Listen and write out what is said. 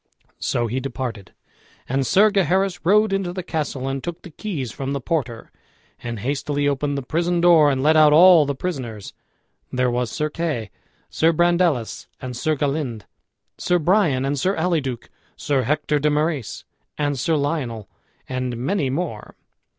So he departed, and Sir Gaheris rode into the castle, and took the keys from the porter, and hastily opened the prison door and let out all the prisoners. There was Sir Kay, Sir Brandeles, and Sir Galynde, Sir Bryan, and Sir Alyduke, Sir Hector de Marys, and Sir Lionel, and many more.